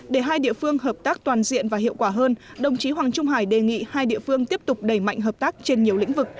để hai địa phương hợp tác toàn diện và hiệu quả hơn đồng chí hoàng trung hải đề nghị hai địa phương tiếp tục đẩy mạnh hợp tác trên nhiều lĩnh vực